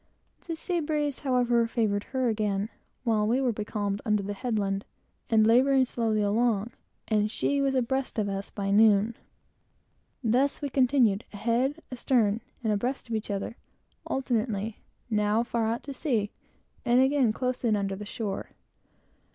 The sea breeze, however, favored her again, while we were becalmed under the headland, and laboring slowly along, she was abreast of us by noon. Thus we continued, ahead, astern, and abreast of one another, alternately; now, far out at sea, and again, close in under the shore.